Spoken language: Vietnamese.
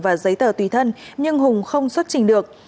và giấy tờ tùy thân nhưng hùng không xuất trình được